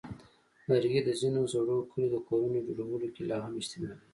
لرګي د ځینو زړو کلیو د کورونو جوړولو کې لا هم استعمالېږي.